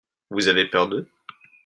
Vous avez peur d'eux ?